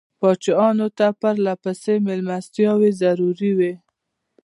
پاچایانو ته پرله پسې مېلمستیاوې ضروري وې.